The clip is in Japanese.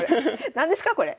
何ですかこれ。